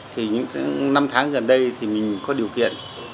thì những năm tháng gần đây thì mình có điều kiện